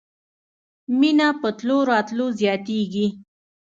مینه په تلو راتلو زیاتیږي